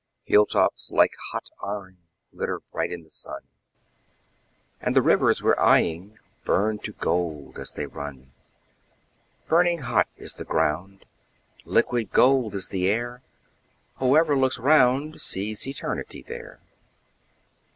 Hill tops like hot iron glitter bright in the sun, And the rivers we're eying burn to gold as they run; Burning hot is the ground, liquid gold is the air; Whoever looks round sees Eternity there.